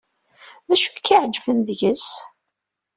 D acu ay k-iɛejben deg-s?